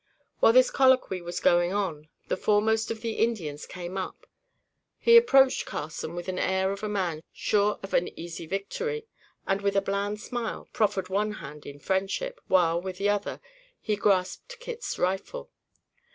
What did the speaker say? While this colloquy was going on, the foremost of the Indians came up. He approached Carson with the air of a man sure of an easy victory, and, with a bland smile, proffered one hand in friendship, while, with the other, he grasped Kit's rifle.